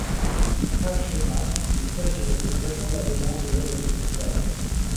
Ta-Shema, il s'agirait plus vraisemblablement de l'œuvre de son frère.